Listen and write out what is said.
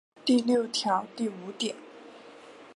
第六条第五点